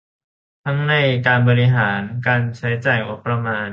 ทั้งในการบริหาร การใช้จ่ายงบประมาน